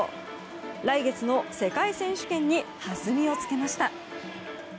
来月の世界選手権に弾みをつけました。